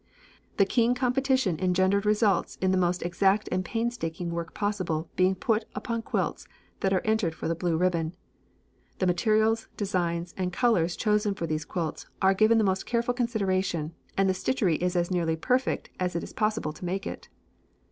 The keen competition engendered results in the most exact and painstaking work possible being put upon quilts that are entered for the "blue ribbon." The materials, designs, and colours chosen for these quilts are given the most careful consideration, and the stitchery is as nearly perfect as it is possible to make it.